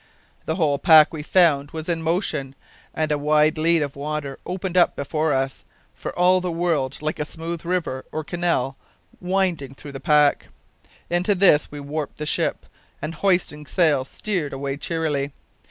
The whole pack, we found, was in motion, and a wide lead of water opened up before us, for all the world like a smooth river or canal windin' through the pack. Into this we warped the ship, and hoistin' sail, steered away cheerily.